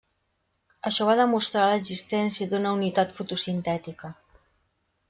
Això va demostrar l'existència d'una unitat fotosintètica.